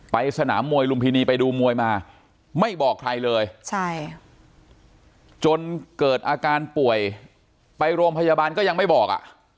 สนามมวยลุมพินีไปดูมวยมาไม่บอกใครเลยใช่จนเกิดอาการป่วยไปโรงพยาบาลก็ยังไม่บอกอ่ะ